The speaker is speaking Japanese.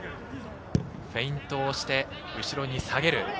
フェイントをして後ろに下げる。